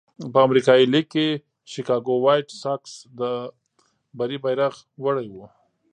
په امریکایي لېګ کې شکاګو وایټ ساکس د بري بیرغ وړی وو.